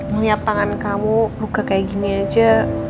melihat tangan kamu luka kayak gini aja